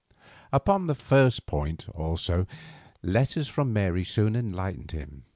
Upon the first point, also, letters from Mary soon enlightened him.